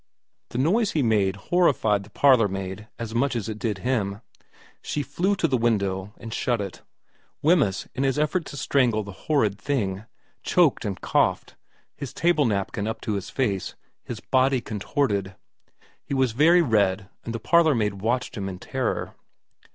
The noise he made horrified the parlourmaid as much as it did him. She flew to the window and shut it. Wemyss, in his effort to strangle the horrid thing, choked and coughed, his table napkin up to his face, his body contorted. He was very red, and the parlour maid watched him in terror.